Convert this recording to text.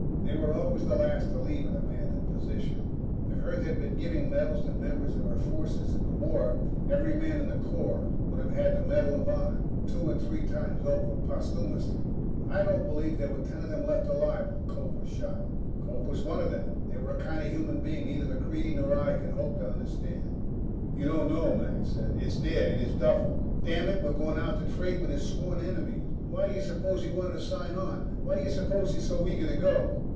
They were always the last to leave an abandoned position. If Earth had been giving medals to members of her forces in the war, every man in the Corps would have had the Medal of Honor two and three times over. Posthumously. I don't believe there were ten of them left alive when Cope was shot. Cope was one of them. They were a kind of human being neither MacReidie nor I could hope to understand. "You don't know," Mac said. "It's there. In his duffel. Damn it, we're going out to trade with his sworn enemies! Why do you suppose he wanted to sign on? Why do you suppose he's so eager to go!"